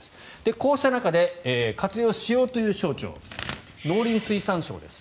こうした中で活用しようという省庁農林水産省です。